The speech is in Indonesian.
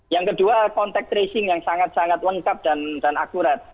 yang kedua contact tracing yang sangat sangat lengkap dan akurat